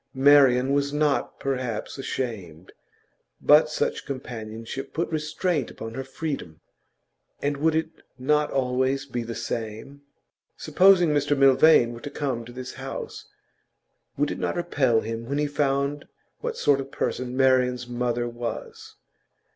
Marian was not perhaps ashamed, but such companionship put restraint upon her freedom. And would it not always be the same? Supposing Mr Milvain were to come to this house, would it not repel him when he found what sort of person Marian's mother was?